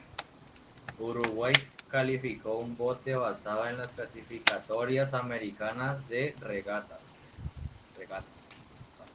Uruguay calificó un bote basado en las clasificatorias americanas de regatas.